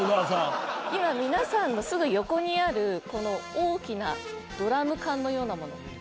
皆さんのすぐ横にあるこの大きなドラム缶のような物。